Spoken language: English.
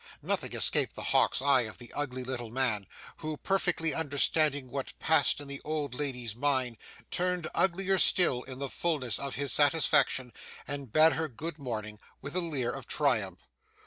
Nothing escaped the hawk's eye of the ugly little man, who, perfectly understanding what passed in the old lady's mind, turned uglier still in the fulness of his satisfaction, and bade her good morning, with a leer or triumph.